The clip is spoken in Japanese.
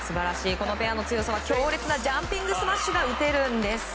このペアの強さは強烈なジャンピングスマッシュが打てるんです。